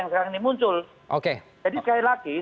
jangan memperkenalkan agar kita tidak bisa sambang untuk bertindak